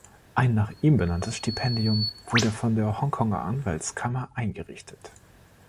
Ein nach ihm benanntes Stipendium wurde von der Hongkonger Anwaltskammer eingerichtet.